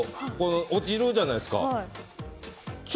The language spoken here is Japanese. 落ちるじゃないですか。